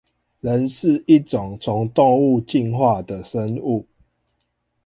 人是一種從動物進化的生物